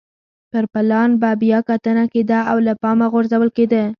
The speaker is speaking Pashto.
پر پلان به بیا کتنه کېده او له پامه غورځول کېده.